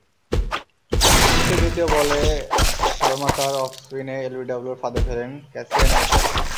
ইনিংসের দ্বিতীয় বলে সালমা তাঁর অফস্পিনে এলবিডব্লুর ফাঁদে ফেলেন ক্যাসিয়া নাইটকে।